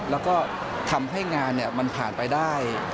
แล้วก็ทำให้งานมันผ่านไปได้